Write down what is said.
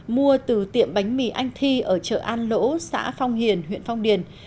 mua từ tiệm bánh mì anh thi ở chợ an lỗ xã phong hiền huyện phong điền